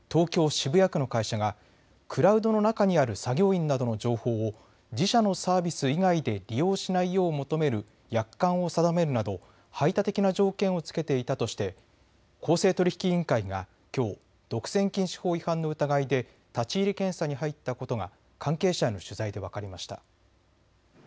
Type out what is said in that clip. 渋谷区の会社がクラウドの中にある作業員などの情報を自社のサービス以外で利用しないよう求める約款を定めるなど排他的な条件を付けていたとして公正取引委員会がきょう独占禁止法違反の疑いで立ち入り検査に入ったことが関係者への取材で分かりました。